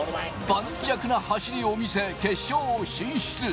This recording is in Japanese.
盤石な走りを見せ、決勝進出。